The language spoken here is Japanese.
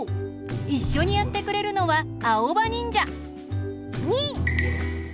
いっしょにやってくれるのはあおばにんじゃ！にん！